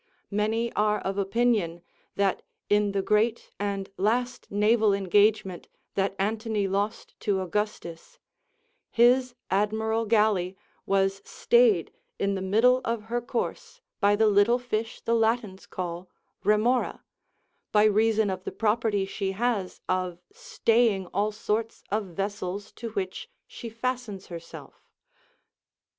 Many are of opinion that in the great and last naval engagement that Antony lost to Augustus, his admiral galley was stayed in the middle of her course by the little fish the Latins call remora, by reason of the property she has of staying all sorts of vessels to which she fastens herself.